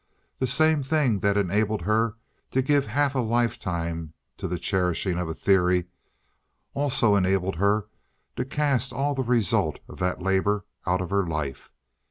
The same thing that enabled her to give half a lifetime to the cherishing of a theory, also enabled her to cast all the result of that labor out of her life.